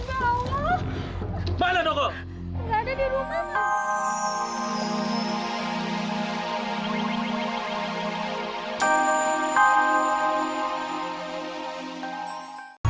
beruang lagi pak allah